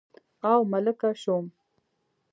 او ملکه شوم